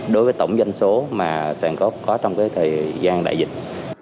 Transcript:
đối với tổng doanh số mà sản có trong cái thời gian đại dịch